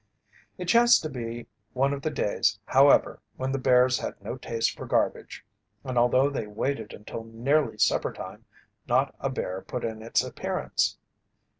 It chanced to be one of the days, however, when the bears had no taste for garbage and although they waited until nearly supper time not a bear put in its appearance.